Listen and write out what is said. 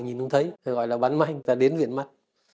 nhìn không thấy gọi là bán manh là đến viện mắt